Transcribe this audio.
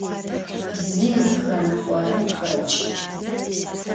Zi zıxemıxhorem xeç'ı.